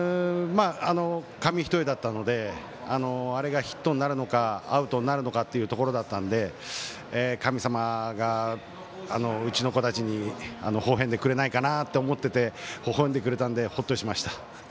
紙一重だったのであれがヒットになるのかアウトになるのかというところだったので神様がうちの子たちに微笑んでくれないかなと思ってて微笑んでくれたのでほっとしました。